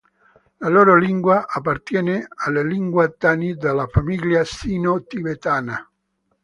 La loro lingua appartiene alle lingue tani della famiglia sino-tibetabana.